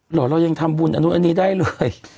เหรอเรายังทำบุญอันนี้ได้เลย